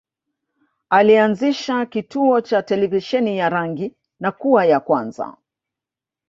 Alianzisha kituo cha televisheni ya rangi na kuwa ya kwanza